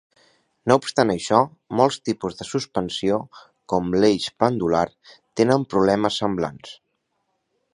No obstant això, molts tipus de suspensió, com l'eix pendular, tenen problemes semblants.